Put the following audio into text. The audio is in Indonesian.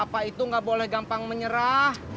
apa itu nggak boleh gampang menyerah